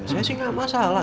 saya sih nggak masalah